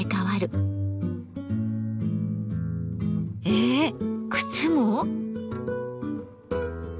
えっ靴も？